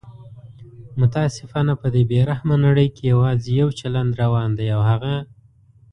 متاسفانه په دې بې رحمه نړۍ کې یواځي یو چلند روان دی او هغه